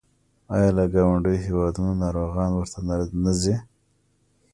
آیا له ګاونډیو هیوادونو ناروغان ورته نه ځي؟